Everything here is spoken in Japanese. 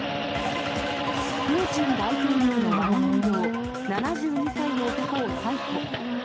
プーチン大統領のわら人形、７２歳の男を逮捕。